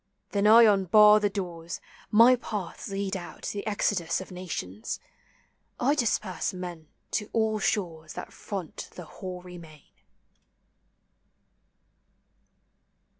rhen I unbar the doors: my paths lead out rhe exodus of nations: I disperse !klen to all shores that front the hoary main.